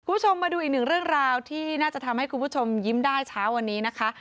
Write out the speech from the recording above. คุณผู้ชมมาดูอีกหนึ่งเรื่องราวที่น่าจะทำให้คุณผู้ชมยิ้มได้เช้าวันนี้นะคะ